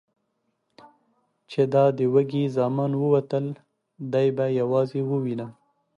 چې دا د وږي زامن ووتل، دی به یوازې ووینم؟